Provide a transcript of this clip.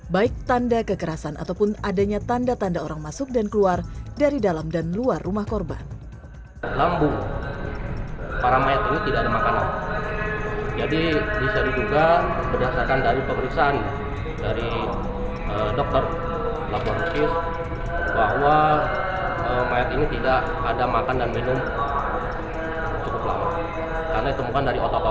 baik tanda kekerasan ataupun adanya tanda tanda orang masuk dan keluar dari dalam dan luar rumah korban